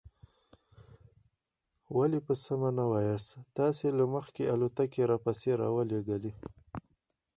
ولې په سمه نه وایاست؟ تاسې له مخکې الوتکې را پسې را ولېږلې.